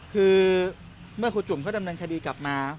คือเมื่อครูจุ่มเขาดำเนินคดีกลับมา